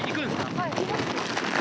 はい。